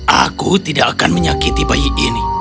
aku tidak akan menyakiti bayi ini